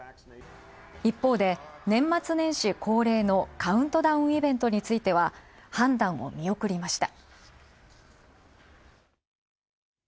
一方で、年末年始恒例のカウントダウンイベントについては、判断を見送りました。